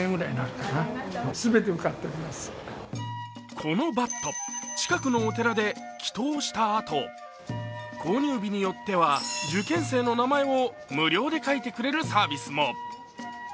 このバット、近くのお寺で祈とうしたあと購入日によっては受験生の名前を無料で書いてくれるサービスも。